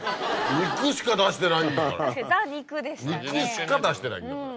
肉しか出してないんだから。